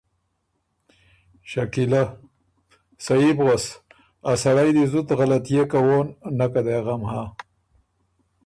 شکیلۀ: سهي بو غؤس۔ ا سړئ دی زُت غلطئے کوون نکه دې غم هۀ